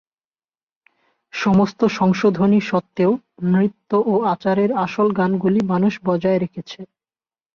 সমস্ত সংশোধনী সত্ত্বেও, নৃত্য ও আচারের আসল গানগুলি মানুষ বজায় রেখেছে।